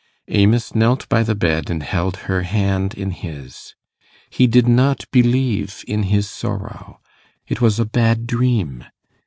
Amos knelt by the bed and held her hand in his. He did not believe in his sorrow. It was a bad dream.